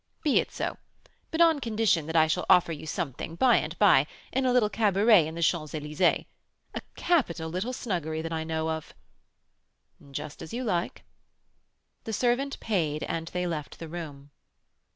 "Be it so, but on condition that I shall offer you something, by and by, in a little cabaret in the Champs Elysées, a capital little snuggery that I know of." "Just as you like." The servant paid, and they left the room.